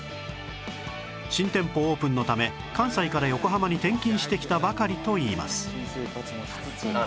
新店舗オープンのため関西から横浜に転勤してきたばかりといいます